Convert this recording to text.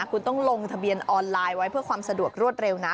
คุณต้องลงทะเบียนออนไลน์ไว้เพื่อความสะดวกรวดเร็วนะ